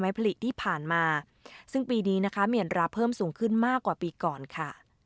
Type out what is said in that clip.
ผลิตที่ผ่านมาซึ่งปีนี้นะคะเมียนราเพิ่มสูงขึ้นมากกว่าปีก่อนค่ะ